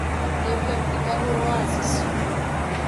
Eu quero ficar no oásis